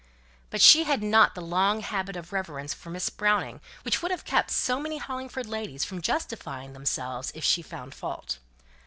But she had not the long habit of reverence for Miss Browning which would have kept so many Hollingford ladies from justifying themselves if she found fault.